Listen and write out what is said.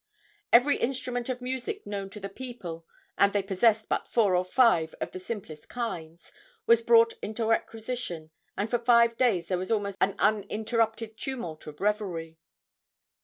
Every instrument of music known to the people and they possessed but four or five of the simplest kinds was brought into requisition, and for five days there was almost an uninterrupted tumult of revelry.